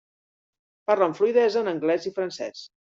Parla amb fluïdesa en anglès i francès.